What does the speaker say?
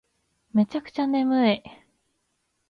めちゃくちゃ眠い